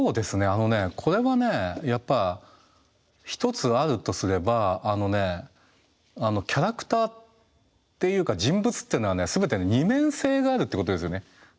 あのねこれはねやっぱ一つあるとすればキャラクターっていうか人物っていうのはね全て二面性があるっていうことですよね。